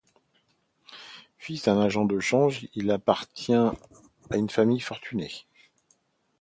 Fils d'un agent de change, il appartient à une famille fortunée.